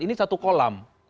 ini satu kolam